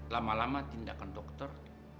lama lama tindakan dokter